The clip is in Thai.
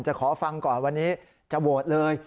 ขอฟังก่อนวันนี้จะโหวตเลย